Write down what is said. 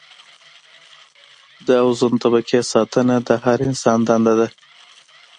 د اوزون طبقې ساتنه د هر انسان دنده ده.